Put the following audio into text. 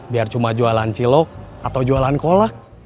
biar cuma jualan cilok atau jualan kolak